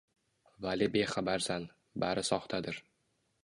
vale bexabarsan, bari sohtadir.